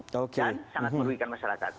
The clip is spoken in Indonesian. dan sangat merugikan masyarakat